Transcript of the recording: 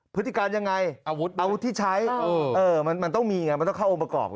พฤติการยังไงอาวุธที่ใช้มันต้องมีไงมันต้องเข้าองค์ประกอบ